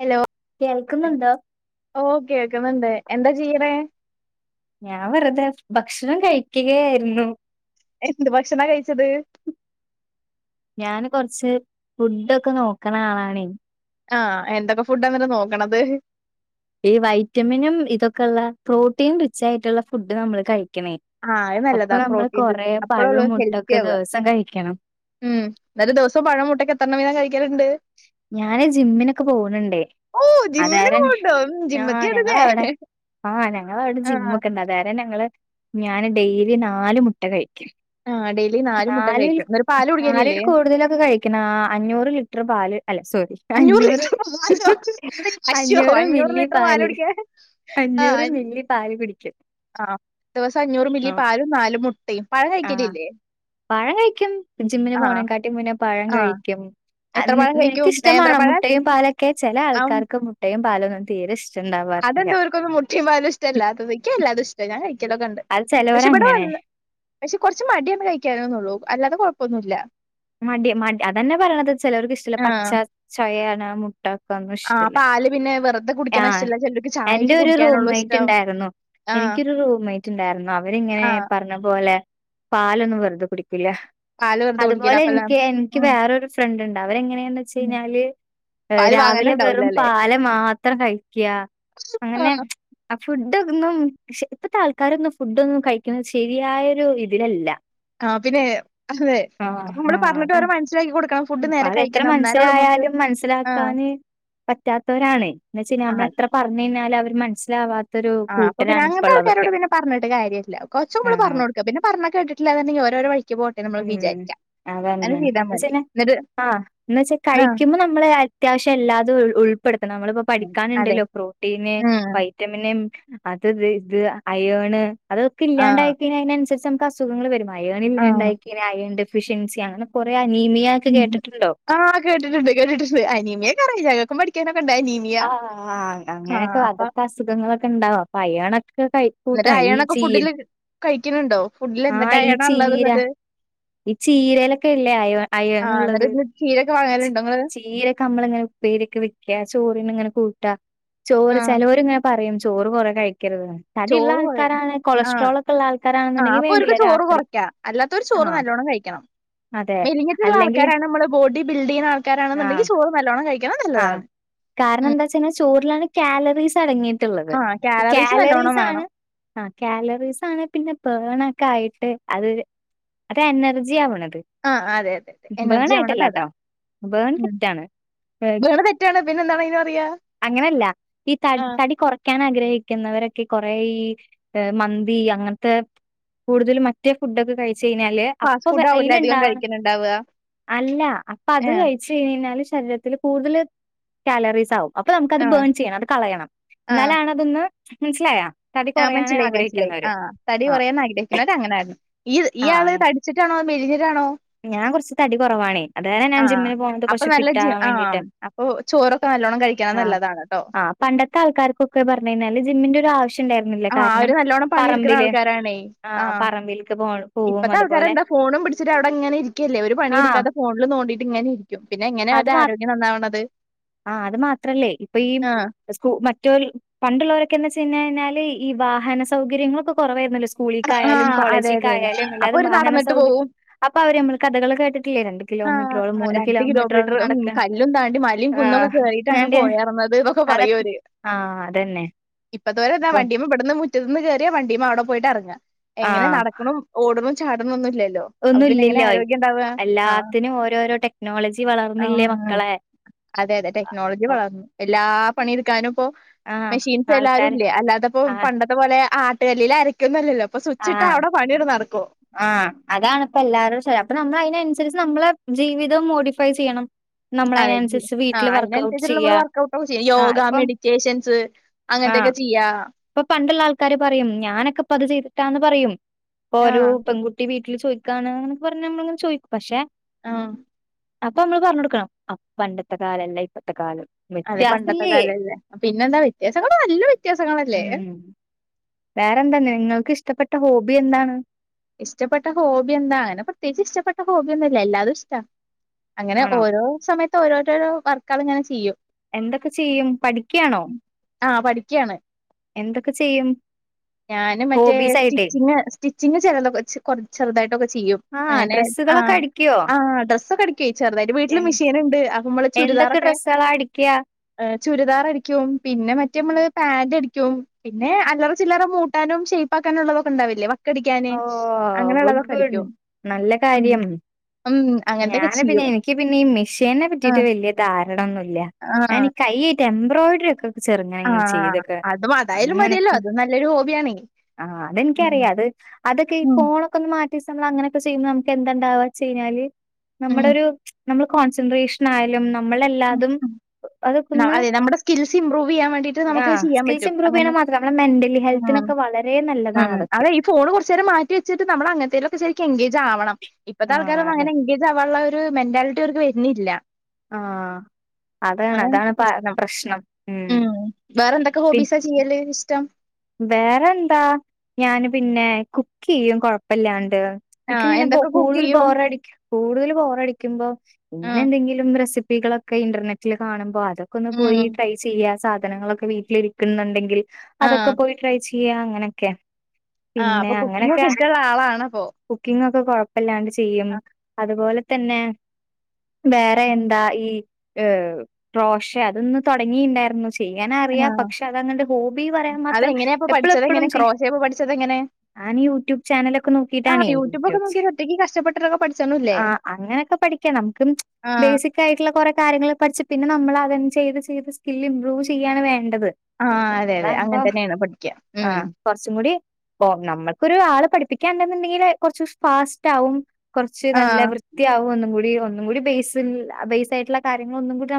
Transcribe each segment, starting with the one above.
Hello കേൾക്കുന്നുണ്ടോ? ഓ കേക്ക്ണ് ണ്ട് എന്തെ ചെയ്യ്ണെ ഞാൻ വെറുതെ ഭക്ഷണം കഴിക്കുകയായിരുന്നു എന്ത് ഭക്ഷണാ കഴിച്ചത് ഞൻ കൊറ്ച്ച് ഫുഡൊക്കെ നോക്ക്ണാളാണൈ ആ എന്തൊക്കെ ഫുഡ്ഡാന്ട്ട് നോക്ക്ണത് ഈ വൈറ്റമിനും ഇതൊക്കെള്ള പ്രോടീൻ റിച്ച് ആയിട്ടുള്ള ഫുഡ് നമ്മൾ കഴി ക്ണ ആഹ് അത് അപ്പൊ നല്ലതാ ഞമ്മൾ പ്രോട്ടീൻ റിച്ച് കൊറേ അപ്പളൊള്ളൂ പഴും ഹെൽത്തി മുട്ടൊക്കെ ആവ ദിവസം കഴിക്കണം ഉം ന്നട് ദിവസം പഴം മുട്ടക്കെ എത്രണ്ണം വീതം കഴിക്കല്ണ്ട് ഞാന് ജിമ്മിനൊക്കെ പോണ്ണ്ടൈ ഓ ജിമ്മിനൊക്കെ അതാരൻ പോവ്ണ്ടോ ഉം ആ ജിമ്മിത്തിയാണ്ല്ലേ ഞങ്ങളവടെ ആ ഞങ്ങളവടെ ആഹ് ജിമ്മക്കെണ്ട് അതാരം ഞങ്ങള് ഞാന് ഡെയിലി നാല് മുട്ട കഴിക്കും ആഹ് ഡെയിലി നാല് മുട്ട നാലിൽ കഴിക്കും എന്നിട്ട് പാല് നാലിൽ കുടിക്കലില്ലേ കൂടുതലൊക്കെ കഴിക്കും നാ അഞ്ഞൂറ് ലിറ്റ്റും അല്ല സോറി അഞ്ഞൂറ് ലിറ്റർ പാലോ എന്താ ഈ പശുവോ അഞ്ഞൂറ് മില്ലി ലിറ്റർ പാല് കുടിക്കാൻ അഞ്ഞൂറ് മില്ലി പാല് കുടി ആ ദിവസം അഞ്ഞൂറ് മില്ലി പാലും നാലു മുട്ടിം പഴം ആഹ് കഴിക്കലില്ലേ പഴം കഴിക്കും ജിമ്മിന് ആഹ് പോണേ കാട്ടിംമുന്നേ പഴം ആഹ് കഴിക്കും ആൻ എത്ര നിൻ പഴം കഴിക്കും നിനക്ക്ഷ്ടമാണോ നേന്ത്രപ്പഴം മുട്ടയും പാലൊക്കെ ചെല ആൾക്കാർക്ക് മുട്ടയും പാലൊന്നും തീരെ ഇഷ് അതന്താ ഓർക്കൊന്നും മുട്ടിം പാലും ഇഷ്ടല്ലാത്തത് ക്ക് ല്ലാതുഷ്ടാ ഞാൻ കഴിക് ക്കെലക്കൊണ്ട് അത് പക്ഷെ ഇവിടെ ചെലോരങ്ങനെ വന്ന് പക്ഷെ കൊറ്ച്ച് മടിയാണ് കഴിക്കാന് നൊള്ളൂ അല്ലാതെ കൊഴപ് പൊന്നുല്ല മടി മടി അതന്നെ പറണത് ചെലോർക്ക് ഇഷ്ടല്ല പച്ച ആഹ് ചൊയേണ് മുട് ആഹ് ട്ടക്കന്നുംഷ്ടല്ല പാല് പിന്നെ വെറുതെ ആ കുടിക്കണ ഇഷ്ടല്ല ചിലർക്ക് ചായക്ക് എന്റെഒരു കുടിക്കാനുള്ളൂ ഇഷ്ടം റൂംമെയ്റ്റ്ണ്ടായിർന്നു ആഹ് എനിക്കൊരു റൂംമെയ്റ്റ്ണ്ടായിർന്നു അവരിങ്ങനെ ആഹ് പറഞ്ഞപോലെ പാലൊന്നും വെറുതെകുടിക്കില്ല പാല് വെറുതെ അത് കുടിക്കില്ല അതുപോലെ അപ്പല്ല ൻക്ക് എൻക്ക് ഉം വേറരു ഫ്രണ്ട്ണ്ട് അവരെങ്ങനേന്ന്വെച്ച ഉം യ്ഞ്ഞാല് ഏ പാല് രാവിലെ വാങ്ങാനുണ്ടാവില്ല വെറും അല്ലേ പാല് മാത്രം കഴിക്ക അങ്ങനെ ആഹ് അഫുഡ്ഡൊന്നും ക്ഷെ ഇപ്പത്തെ ആൾക്കാരൊന്നും ഫുഡൊന്നും കഴിക്കുന്നത് ശരിയായൊരു ഇതിലല്ല ആ പിന്നെ അതെ ആഹ് അപ്പൊമ്മള് ആഹ് അതാ പറ്ഞ്ഞിട്ടവരെ മൻസ്സിലാക്കി കൊടുക്കണം ഫുഡ് നേരെ അതെത്ര കഴിക്കണം എന്നാലൊള്ളൂ നമുക്ക് മനസ്സിലായാലും ആഹ് മനസ്സിലാക്കാന് പറ്റാത്തവരാണ് ന്ന്വെച്ചൈനാമ്മളെത്ര പറഞ്ഞയിഞ്ഞാല് അവര് മനസ്സിലാവാത് ആ അപ്പൊ പിന്നെ അങ്ങൻത്തെ ആൾക്കാരോട് പിന്നെ പറഞ്ഞിട്ട് കാര്യല്ല കൊറച്ചുംകൂടി ആഹ് പറ്ഞ്ഞൊട്ക്ക പിന്ന പറഞ്ഞാ കേട്ടിട്ടില്ലങ്കിൽ ഓരോരൊവഴി ക്പോട്ടെ നമ്മള് ഉം വിചാര്ച അങ്ങനെചൈയ്താ മതി ന്നിട്ട് ആ ന്ന് വെച്ചാ കഴിക്കുമ്പോമ്മള് അത്യാവിശൃല്ലാതും ഉൾ ഉൾപ്പെടുത്തണം നമ്മളിപ്പോ ഉം, അതെ പഠിക്കാനുണ്ടല്ലോ പ്രോ ട്ടീന് ഉം വൈറ്റമിന് അതത് ഇത് അയോണ് അതൊക്കെ ആ ഇല്ലാണ്ടായി കഴിഞ്ഞ അതിനനുസരിച്ച് നമുക്ക് അസുഖങ്ങൾ വരും ആ അയോൺല്ലാണ്ടായിക്കഴിഞ്ഞ അയൺ ഡെഫിഷ്യൻസി അങ്ങനെ കുറേ ഉ ആ കേട്ടിട്ടുണ്ട് കേട്ടിട്ടുണ്ട് അനീമിയ ക്കെ അറിയാം ഞങ്ങക് പഠിക്കാ ആ ആ അങ്ങനെയൊക്കെ അപ്പൊ അതൊക്കെ അസുഖങ്ങളൊക്കെ ഉണ്ടാവും, അപ്പൊ അയണൊക്കെ കഴിക്കൂ ട്ട്രൈ ചെയ്യ്‌ കഴിക്കണുണ്ടോ? ഫുഡിൽ എന്തൊക്ക ആയണ് ഉള്ളത് എന്നിട്ട്? ഈ ചീരയിലൊക്കെ ഇല്ലേ അയോ ആ എന്നിട്ട് അയോനുള്ളത് ഇന്ന് ചീരൊക്കെ വാങ്ങലുണ്ടോ നിങ്ങള് ചീരൊക്കെ നമ്മള് ഇങ്ങനെ പേരിക്കെ വെക്ക ചോറിന് ഇങ്ങനെ കൂട്ടാ ആ ചോറ് ചിലർ ഇങ്ങനെ പറയും [inaudible] ചോറ് കുറെ കഴിക്കരുത് തടി ഉള്ള ചോറ് കൊ ആൾക്കാരാണ് ആ കൊളസ്ട്രോൾ ഒക്കെ ഉള്ള ആൾക്കാരാണ് ആ അപ്പൊ ഒരുക്ക് ചോറ് കുറയ്ക്കാ അല്ലാത്ത ഒരു ചോറ് ആഹ് നല്ലവോണം കഴിക്കണം അതെ മെലിഞ്ഞിട്ടുള്ള അല്ലെങ്കിൽ ആൾക്കാരാണ് നമ്മള് ബോഡി ബിൽഡ് ചെയ്യ്ണ ആൾക്കാരാണെന്നുണ്ടെങ്കിൽ ചോറ് നല്ലോണം കഴിക്ക ആ കാരണം എന്താ വച്ച് കഴിഞ്ഞൽ ചോറിലാണ് കാലറീസ് ടങ്ങയിട്ടുള്ളത് ആ നല്ലോണം കാലറീസ് ആണ് വേണം കാലറീസ് ആണ് പിന്നെ ബെൺ ആയിട്ട് അത് അത് എനർജി ആവണം ആ അതെ അതെ അതെ ബേൺ എനർജി ആവണത് അതാ ആയിട്ടല്ലട്ടോ ബേൺ ഉം തെറ്റാണ്. വീണ തെറ്റാണ് പിന്നെ എന്താണ് അയിന് പറയാ അങ്ങനെ അല്ല ഈ ആഹ് തടികുറക്കുന്ന ക്കാൻ ആഗ്രഹിക്കുന്നവരൊക്കെ കുറെ ഈ മന്തി അങ്ങനത്തെ കൂടുതൽ മറ്റേ ഫുടൊക്കെ കഴിച്ച [unintelligible] ച്ച് കഴിഞാല് അപ്പ ഫാസ്റ്റ് ഫുഡ് ആവൂലേ അധികം അതില്ൺണ്ടാവ് കഴിക്കുന്നുണ്ടാവ അല്ല അപ്പ അത് ഏഹ് കഴിച്ച് കഴിഞ്ഞാല് ശരീരത്തിൽ കൂടുതൽ കാലറീസ് ആവും. അപ്പൊ നമുക്കത് ആഹ് ബേൺ ചെയ്യണം അത് കളയണം എന്നാലാണതൊന്ന് മനസ്സിലായ?? ആ മനസ്സിലായി മനസിലായി ആ തടി ആ കുറയാന്ന് ആഗ്രഹിക്കുന്നുന്നത് അങ്ങന ആയിരുന്നു ഈ ഈ ആ ആള് അങ്ങ- തടിച്ചിട്ടാണോ അതോ മെലി ആണോ ഞാൻ കുറച്ച് തടി കുറവാണേ അതാല ഞാൻ ജിമ്മിന് പോകണത് അപ്പൊ കുറച്ച് നല്ല ജി ഫിറ്റാവാൻ ആഹ് വേണ്ടിട്ട്. അപ്പൊ ചോറൊക്കെ നല്ലോണ്ണം കഴിക്കണത് ആ നല്ലതാണ് ട്ടോ ആ പണ്ടത്തെ ആൾക്കാർക്കൊക്കെ പറഞ്ഞ് കഴിഞ്ഞാല് ജിമ്മിന്റെ ഒരു ആവശ്യം ഇണ്ടായി [inaudible] ആഹ് കാരണം അവര് നല്ലോണ്ണം പണിയെടുക്കുന്ന പറമ്പില് ആൾക്കാരാണേ ആ ആഹ് പറമ്പിലക്ക് പോണ ഇപ്പത്തെ ആൾക്കാരെന്താഫോണും പിടിച്ചിട്ടവിടെ അങ്ങ് ഇങ്ങനെ ഇരിക്കല്ലേ ഒരു ആഹ് പണിയെടുക്കാത്ത ഫോണിൽ തോണ്ടീട്ട് ഇങ്ങനെ ഇരിക്കും പിന്നെ എങ്ങനെ അവരെ ആരോഗ്യ നന്നാവണത് ആ അത് മാത്രല്ലേ ഇപ്പൊ ഈ ആഹ് സ്കു മറ്റ പണ്ടുള്ളവരൊക്കെന്ന് വച്ച [unintelligible] പിന്നെഞ്ഞാല് ഈ വാഹന സൗകര്യങ്ങളൊക്കെ കുറവായിരുന്നല്ലോ? സ്കൂളിക്കായാലും ആഹ് അതെ അതെ അതെ കോളേജിക്കായാലും അപ്പൊ അല്ലാതും ഒരു വാഹന നടന്നിട്ട് സൗകര്യം [inaudible] മ്മള് കഥകള് കേട്ട് ആ രണ്ട് കിലോമീറ്ററ് നടക്ക കല്ലും താണ്ടി മലയും കുന്നുംക്കെ ആഹ് കേയറിയിട്ടാണ് വേണ്ടിയ പോയാത് ഇതൊക്കെ പറയും അതൊക്കെ അവര് ആഹ് അതന്നെ ഇപ്പതോരെന്താ ഇപ്പൊ വണ്ടി മേ [inaudible] മുറ്റത്തുന്ന് കയറിയാ വണ്ടീമ്മ അവിടെ പോയിട്ട് ഇറങ്ങുക എങ്ങനെ ആഹ് നടക്കണും ഓടണും ചാടണ ഒന്നുംല്ലല്ലേ [inaudible] അപ്പൊ ഒന്നും പിന്നെ എങ്ങനെ ഇല്ലല്ലോ ആരോഗ്യം ഉണ്ടാവുക എല്ലാത്തിനും ഓരോരോ ടെക്നോളജി വളർന്നില്ലേ ആഹ് മക്കളെ. അതെ അതെ ടെക്നോളജി വളർന്നു എല്ലാ പണിടുക്കാനും ഇപ്പൊ ആഹ് മെഷീൻസ് എല്ലാരും ആൾക്കാര് ഇല്ലേ അല്ലാതപ്പോ ആഹ് പണ്ടത്തെ പോലെ ആട്ടുകല്ലൽ അരക്കൊന്നുംല്ലല്ലോ ആ ആ അതാണ്പ്പ എല്ലാരും ശരി അപ്പൊ നമ്മൾ അതിനനുസരിച്ച് നമ്മള ജീവിതം മോഡിഫൈ ചെയ്യണം നമ്മൾ അതെ അതിനനുസരിച്ച് ആ വീട്ടില് വർക്കഔട്ട് അതിനനുസരിച്ചുള്ള ചെയ്യാ നമ്മള് വർക്ക്ഔട്ട ഒക്കെ ചെയ്യ ആഹ് യോഗ ഇപ്പം മെഡിറ്റേഷൻസ് അങ്ങനത്തെ എന്തൊക്കെ ചെയ്യാ അപ്പൊ പണ്ടുള്ള ആൾക്കാര് പറയും ഞാനൊക്കെ ഇപ്പ അത് ചെയ്തിട്ടാന്ന് പറയും ഇപ്പൊ ഒരു ആഹ് പെൺകുട്ടി വീട്ട വീൽ ചോദിക്കാണ് അങ്ങൊ പറഞ്ഞ നമ്മളങ്ങനെ ചോദിക്കും പക്ഷെ [inaudible] ആ അപ്പൊ നമ്മള് പറഞ്ഞ കൊടുക്കണം അ പണ്ടത്തെ കാല അല്ല ഇപ്പത്തെ കാലം അതെ പണ്ടത്തെ വ്യത്യാസല്ലേ കാലല്ല പിന്നെന്താ വ്യത്യാസങ്ങള് നല്ല വ്യത്യാസങ്ങളല്ലേ ഉം വേറെന്താന്ന് നിങ്ങൾക്ക് ഇഷ്ടപ്പെട്ട ഹോബി എന്താണ് ഇഷ്ടപ്പെട്ട ഹോബി എന്താ അങ്ങനെ പ്രത്യേകിച്ച് ഇഷ്ടപ്പെട്ട ഹോബിയൊന്നുംല്ല എല്ലാതും ഇഷ്ട അങ്ങനെ ആണോ ഓരോ സമയത്ത് ഓരോരോരോ വർക്കളു ങ്ങനെ ചിയ്യും എന്തൊക്കെ ചെയ്യും പഠിക്കാണോ ആ പഠിക്ക്യാണ് ഞാന് മറ്റേ ഹോബീസ് ആയിട്ടേ സ്റ്റിച്ചിങ്ങ് സ്റ്റിച്ചിങ്ങ് [unintelligible] കൊറച്ച് ചെറുതായിട്ടൊക്കെ ചിയ്യും ആഹ് നയനെ ആ ഡ്രെസ്സുകളൊക്കെ അടിക്കുവോ ആ ഡ്രസ്സൊക്കെ അടിക്കോയ് ചെറ്തായിട്ട് വീട്ടില് എന്ത് മിഷീന്ണ്ട് അപ്പമ്മള എന്തൊക്കെ ചുര്ദാറൊക്കെ ഡ്രസ്സാളാ അടിക്ക്യാ? ഏ ചുരിദാറടിക്കും പിന്നെ മറ്റേ മ്മള് പാന്റടിക്കും പിന്നെ അല്ലറ ചില്ലറ മൂട്ടാനും ഷെയപ്പാക്കാനുള്ളതൊക്കെണ്ടാവില്ലേ വക്കടി ഓ ഗുഡ് ഗുഡ് നല്ല ഉം കാര്യം ഉം അങ്ങനത്തൊക്കെ ഞാന് പിന്നെ ചെയ്യും എനിക്ക് പിന്നെ ഈ മിഷേനെ പറ്റീട്ട് ആഹ് വല്ല്യ ധാരണൊന്നൂല്ല ആഹ് ഞാന് ഈ കയ്യീക്കെ എംബ്രോയ്ഡ്രി ഒക്ക് ചെറ്ങ്ങനങ്ങനെ ആഹ് ചീതൊക്കെ അതും അതായാലും മതിയല്ലോ അങ്ങനക്ക് അത് നല്ലൊരു ഹോബിയാണേ ആ ഉം അതെനിക്കറിയ അത് അതൊക്കെ ഈ ഉം ഫോണൊക്കെ ഒന്ന് മാറ്റിച്ച് നമ്മളങ്ങനെക്കെ ചെയ്യുമ്പോ നമുക്ക് എന്താണ്ടവ ച്ചയ്ഞ്ഞാല് ഉം നമ്മുടെ ഒരു മ്ച് നമ്മൾ കോൺസെൻട്രേഷൻ ആയാലും ഉം നമ്മളെല്ലാതും ഉം. ന അതൊക്കൊന്ന് അതെ നമ്മുടെ സ്കിൽസ് ഇമ്പ്രൂവ് ചെയ്യാൻ വേണ്ടിട്ട് യാ നമുക്ക് ചെയ്യാൻ സ്കിൽസ് പറ്റും ഇമ്പ്രൂവ് അങ്ങനെ ചിയ്യ്ണമാത്രം നമ്മടെ മെന്റലി ഉം ഹെൽത്തിനൊക്കെവാ വളരെ ഉം നല്ലതാണതൊക്കെ അതെ ഈ ഫോണ് കൊറച്ചേരം മാറ്റിെച്ചിട്ട് നമ്മളങ്ങൻത്തേനൊക്കെ ശരിക്ക എൻഗേജ് ആവണം ഇപ്പോത്തെ ആഹ് ആൾക്കാരൊക്കെ അതെ അങ്ങന എഗേജ് ആവാനുള്ള ത് മെന്റാല്റ്റി അവർക്ക് വരുണില്ല ആ അതാണ് അതാണ് പ പ്രശ്നം ഉം ക്ക് പി ഹോബിസ ചിയ്യല് ഇഷ്ടം വേറെന്താ ഞാന് പിന്നെ കുക്ക്യ്യും കൊഴപ്പല്ലാൺ - ടെ ഇക്ക് ആഹ് ങ്ങനെ ബോ എന്തൊക്കെ കുക്ക് കൂടുതൽ ചെയ്യും ബോറടി കൂടുതൽ ബോറടിക്കുമ്പോ ഇങ്ങനെ ഉം എന്തെങ്കിലും റെസിപ്പ പ്പികളൊക്കെ ഇന്റർനെറ്റില് കാണുമ്പോ അതൊക്കെ ഒന്ന് ഉം പോയി ട്രൈ ചെയ്യ സാധനങ്ങളൊക്കെ വീട്ടിലിരിക്ക്ന്ന്ണ്ടെങ്കിൽ പി ആ ട്രൈ ചിയ്യ അങ്ങനെക്കെ ആഹ് പിന്നെ അപ്പൊ കുക്കിംഗ് അങ്ങനക്കെ ഒക്കെ ഇഷ്ടമുള്ള ആളാണപ്പോ കുക്കിങ്ങൊ ഒക്ക കൊഴപ്പല്ലാണ്ട് ചെയ്യും ആഹ് അതുപോല തന്നെ വേറെ എന്താ ഈ ഏ റോഷേ അതൊന്ന് തൊടങ്ങിണ്ടാരുന്നു ചെയ്യാനറിയ പക്ഷെ അതങ്ങട് ഹോബി പറയാൻ മാത് അതെങ്ങെനെ പ്പോ പഠിച്ചതങ്ങനെ ക്രോഷെ പഠിച്ചത്ങ്ങനെ ഞാന് യൂട്യൂബ് ചാനലൊക്കെ നോക്കീട്ടാണെ യൂട്യൂബൊക്കെ യൂട്യൂബ് നോക്കി ചാൻ ഒറ്റയ്ക്ക് കഷ്ടപ്പെട്ടിട്ടൊക്കെ പഠിച്ചണൂല്ലേ? ആ അങ്ങനെക്കെപ്പ പഠിക്കണം ക്കും മ്ച് ആഹ് ബെയ്സിക്കായിട്ട്ള്ള കുറെ കാര്യങ്ങള് പഠിച്ച് പിന്നെ നമ്മളാ ഇവൻ ചെയ്ത് ചെയ്ത് സ്കിൽ ഇമ്പ്രൂവ് ചെയ്യാണ് വേണ്ടത് ആഹ് അതെ അതെ അങ്ങനെ അതാവുമ്പൊ തന്നെയാണ് പഠിക്ക്യ. ആ ഉം കുറച്ചും കുടി പോ നമ്മൾക്കൊരു ആള് പഠിപ്പിക്കാണ്ടെന്ന്ണ്ടെങ്കില് കുറച്ച്‌ ഫാസ്റ്റ് ആവും കുറച്ച് നല്ല ആഹ് വൃത്തിയാവും ഒന്നും കൂടി ഒന്നും കുടി ബേയ്സ് ബേസായിട്ട്ള്ള കാര്യങ്ങള് ഒന്നും കുടി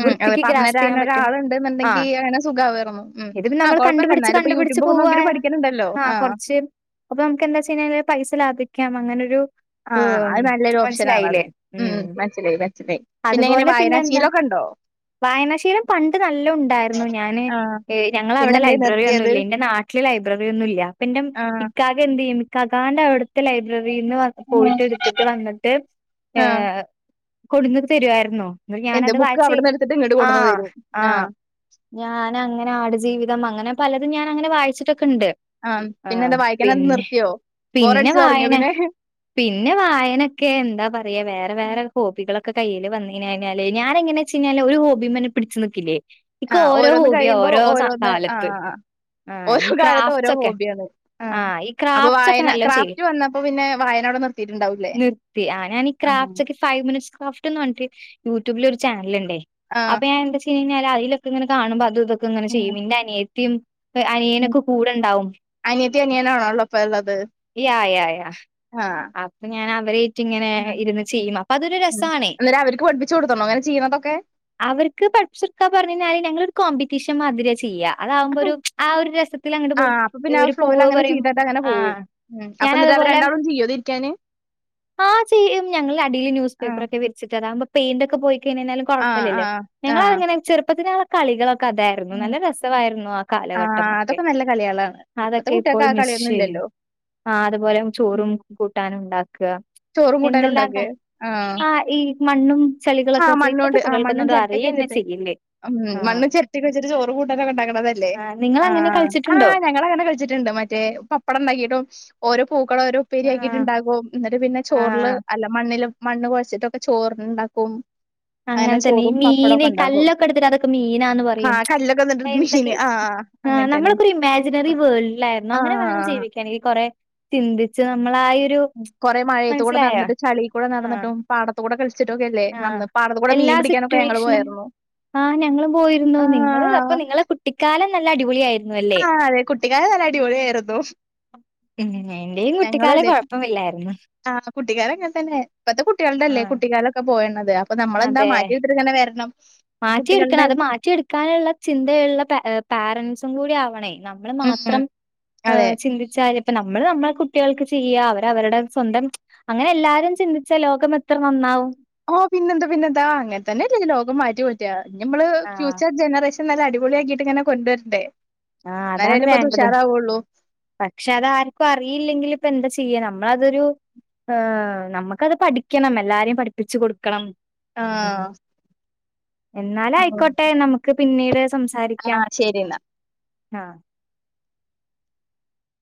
ഉം അതെ പറഞ്ഞെരാനൊരാള്ണ്ട് ന്ന്ണ്ടെങ്കി ആഹ് അങ്ങനെ സുഖാവേർന്നു ഉം ആ കൊഴപ്പല്ല ന്നാലും കണ്ടുപടിച്ച് പോവ ആ കൊറച്ച് അപ്പനമ്ക്ക്ന്തചെയ്ഞാല് പൈസ ലാഭി ക്കാം അങ്ങനെൊരു ആഹ് ഹും അത് നല്ലൊരു മനസിലായിലെ ഓപ്ഷനാണത്. ഉം മനസ്സിലായി മനസ്സിലായി. പിന്നെ എങ്ങനെ അതുപോലെ പിന്നെന്ത വായനാശീലൊക്കെണ്ടോ? വായനാശീലം പണ്ട് നല്ലോം ണ്ടായിരുന്നു ഞാന് ആഹ് ഞങ്ങളവിടെ പിന്നെന്തേ ലൈബ്രറി ഇനി നിർത്തിയത്? ഒന്നുല്ലെ ന്റെ നാട്ടില് ലൈബ്രറി ഒന്നും ഇല്ല അപ്പന്റെ ആഹ് ഇക്കാക്ക എന്ത്യ്യും ഇക്കാക്കാന്റെ അവിടു ത്തെ ലൈബ്രറിന്ന് ഉം പോയിട്ട് ഇടുത്തിട്ട് വന്നിട്ട് ഏ ആഹ് കൊടുന്ന് തരുവാരുന്നു എന്ത് ന്നഞാനത് ബുക്ക് വായിച്ച് അവിട്ന്ന് എടുത്തിട്ട് ഇങ്ങട്ട് ആ കൊട്ന്ന് തരും. ആ ആഹ് ഞാനങ്ങനെ ആട്ജീവി തം അങ്ങനെ പലതും ഞാനങ്ങനെ വായിച്ചിട്ടൊക്കെണ്ട് ആഹ് ങ്ങ് പിന്നെന്താ വായിക്കണത് പിന്നെ നിർത്തിയോ? പിന്നെ ബോറടിച്ച് തൊടങ്ങിയോ വായന പിന്നെ? പിന്നെ വായനൊക്കെ എന്താ പറയ വേറെ വേറെ ഹോബി കള ക്ക കയ്യില് വന്ന്ന് കയ്ഞ്ഞാല് ഞാനെങ്ങനെ നെച്ചാല് ഒരു ഹോബിമ്മന് പിടിച്ച് നിക്കില്ലേ ഇക്ക് ആഹ് ഓരോ ഹോബിയ ഓരോ സ കാലത്ത് അ ആഹ് ഓരോ ഈ കാലത്തും ഓരോ ക്രാഫ്റ്റ്സൊക്കെ ഹോബിയാണ് ആ ആഹ് ഈ അപ്പൊ ക്രാഫ്റ്റ്സൊക്കെ വായന നല്ലോം ചെയ്യും ക്രാഫ്റ്റ് വന്നപ്പോ പിന്നെ വായനവടെ നിർത്തി ആ ഞാനീ ക്രാഫ്റ്റ്സൊക്കെ ഫൈവ് മിനിറ്റ്സ് ക്രാഫ്റ്റ് പറഞ്ഞിട്ട് യൂട്യൂബില് ഒരു ചാനലിണ്ടെ ആഹ് അപ്പൊ ഞാനെന്താ ചെയ്യണെ അതിലൊക്കെ ഇങ്ങനെ കാണുമ്പോ അതുയ്തു ഒക്കെ ഇങ്ങനെ ചെയ്യും പിന്നേ അനിയത്തിയും അനിയനോക്കെ കൂടെണ്ടാവും അനിയത്തി അനിയനാണോ ഉള്ളപ്പോ ഉള്ളത് യായായ ആഹ് അപ്പൊ ഞാനാ ഇങ്ങനെ ഇരുന്ന് ചെയ്യും അപ്പൊ അതൊരു രസാണെ അന്നേരം അവർക്ക് പഠിപ്പിച്ചു കൊടുത്തണോ അങ്ങനെ ചെയ്യണതൊക്കെ അവർക്ക് [unintelligible] പറഞ്ഞഴിഞ്ഞാൽ ഞങ്ങളൊരു കോമ്പറ്റീഷൻ മാതിരിയാ ചെയ്യാ അതാവുമ്പോരു ആ ഒരു രസത്തിലങ്ങട് പോവും ആഹ് അപ്പൊ പിന്നെ ആ ഒരു ഫ്ലോയിൽ പൂവ് അങ്ങനെ പറയും ചെയ്തിട്ട് അങ്ങനെ ആ പോവും ഉം അപ്പൊ ഞാനത് എന്നിട്ട് അവര് രണ്ടാളും ചെയ്യോതിരിക്കാന് ആ ചെയ്യും ഞങ്ങള് അടില് ന്യസ് പേപ്പർ ആഹ് ഒക്കെ വെച്ചിട്ട് അതാകുമ്പോ പെയിന്റൊ ക്കെ പോയി കഴിഞ്ഞഴിഞ്ഞാലും കൊഴപ്പല്യല്ലൊ ആഹ് ആഹ് ഞങ്ങങ്ങനെ ചെറുപ്പത്ത് ഞങ്ങളെ കളികളൊക്കെ അതായിരുന്നു നല്ല രസ ആഹ് കാലഘട്ടമൊക്കെ അതൊക്കെ നല്ല കളികളാണ് ഇപ്പത്തെ അതൊക്കെ ഇപ്പോൾ കുട്ടികൾക്ക് ആ മിസ്സ്‌ കളിയൊന്നും ഇല്ലല്ലോ ചെയ്യുന്നു ആ അതുപോലെ ഉം. ചോറും കൂട്ടാനും ഉണ്ടാക്കുക ചോറും കൂട്ടാനും എന്തെല്ലാട്ടാ ഉണ്ടാക്കേ ആ ഈ മണ്ണും ആ ചെളികളൊക്കെ വെച്ചിട്ട് ഇപ്പത്തെ മണ്ണുകൊണ്ട് ആ കുട്ടികൾക്കൊന്നും മണ്ണും അത് ചിരട്ടൊക്കെ അറിയന്നെ വെച്ചിട്ട് ചെയ്യില്ലേ ഉം മണ്ണും ചിരട്ടൊക്കെ വച്ചിട്ട് ചോറും കൂ ഉണ്ടാക്കണതല്ലേ ആ നിങ്ങളങ്ങനെ കളിച്ചിട്ടുണ്ടോ ആഹ് ഞങ്ങളങ്ങനെ കളിച്ചിട്ടുണ്ട് മറ്റേ പപ്പടം ഉണ്ടാക്കിട്ടും ഓരോ പൂക്കള് ഓരോ ആഹ് ഉപ്പേരിയാക്കിട്ടുണ്ടാക്കും എന്നിട്ട് പിന്നെ ചോറില് ആഹ് അല്ല മണ്ണിലും മണ്ണ് കൊഴച്ചിട്ടൊക്കെ ചോറുണ്ടാക്കും അങ്ങനെ തന്നെ ഈ മീന് കല്ലൊക്കെടുത്തിട്ട് അതൊക്കെ മീനാന്ന് പറയും ആഹ് കല്ലൊക്കെ എന്നിട്ട് മീന് എന്തൊക്കെ- ആഹ് ആ അങ്ങനെ തന്നെ നമ്മളിപ്പൊരു ഇമാജിനറി വേൾഡിലായിരുന്നു അങ്ങനെ വേണം ആഹ് ജീവിക്കാൻ ഈ കൊറേ ചിന്തിച്ച് നമ്മ- കൊറേ മഴയത്ത്കൂടെ നടന്നിട്ട് ചളി കൂടെ ആഹ് നടന്നിട്ടും പാട- കൂടെ കളിച്ചിട്ടൊക്കെയല്ലേ ആഹ് അന്ന് പാടത്തുകൂടെ മീൻ പിടിക്കാനൊക്കെ ങ്ങങ്ങള് പോയായിരുന്നു. ആ ഞങ്ങളും പോയിരുന്നു നിങ്ങള് അപ്പോ ആഹ് നിങ്ങളെ കുട്ടിക്കാലം നല്ല അടിപൊളിയായിരുന്നു അല്ലേ ആ അതെ കുട്ടിക്കാലം നല്ല അടിപൊളിയായിരുന്നു. ഉം എന്റെയും കുട്ടിക്കാലം കുഴപ്പമില്ലായിരുന്നു. ആ കുട്ടിക്കാലം ഇങ്ങൻതന്നെ ഇപ്പത്തെ കുട്ടികളുടെ അല്ലേ ആഹ് കുട്ടിക്കാലൊക്കെ പോയേണത് അപ്പൊ നമ്മളെന്താ അതെ മാറ്റിയെടുത്തിട്ട് ഇങ്ങനെ വരണം ആ മാറ്റിയെടുക്കണം കുട്ടികളുടെ അത് മാറ്റിയെടുക്കാനുള്ള ചിന്തയുള്ള പോരന്റ്സും കൂടി ആവണേ നമ്മൾ ഉം മാത്രം അതെ ചിന്തിച്ചാല് ഇപ്പൊ നമ്മള് നമ്മളെ കുട്ട്യോൾക്ക് ചെയ്യ അവര് അവരുടെ സ്വന്തം അങ്ങനെ എല്ലാരും ചിന്തിച്ചാ ലോകം എത്ര നന്നാവും ഓ പിന്നെന്താ പിന്നെന്താ അങ്ങനെ തന്നെയല്ലേ ഈ ലോകം മാറ്റി [unintelligible] ഇനി ഇമ്മള് ആഹ് ഫ്യൂച്ചർ ജനറേഷൻ നല്ല അടിപൊളിയാക്കിട്ട് ഇങ്ങനെ കൊണ്ടുവരണ്ടേ ആ എന്നാലേ അതാണ് അതിലിപ്പത് വേണ്ടത് ഉഷാറാവുള്ളൂ പക്ഷെ അത് ആർക്കും അറിയില്ലെങ്കിലിപ്പൊ എന്താ ചെയ്യൂ - നമ്മളതൊരു നമുക്കത് പഠിക്കണം എല്ലാരെയും പഠിപ്പിച്ച് കൊടുക്കണം ആ എന്നാലയ്ക്കോട്ടെ നമുക്ക് പിന്നീട് സംസാരിക്കാം ശരി എന്നാ ആ